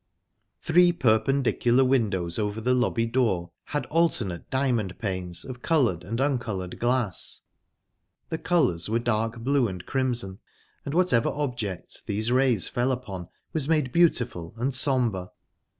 Three perpendicular windows over the lobby door had alternate diamond panes of coloured and uncoloured glass; the colours were dark blue and crimson, and whatever object these rays fell upon was made beautiful and sombre...